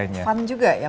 itu kayak fun juga ya